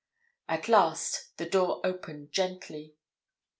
At last the door opened gently.